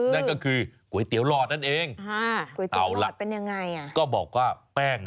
นั่นก็คือก๋วยเตี๋ยวหลอดนั่นเอง